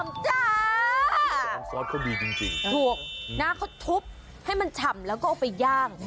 เขาบีจริงจริงถูกนะเขาทุบให้มันฉ่ำแล้วก็เอาไปย่าง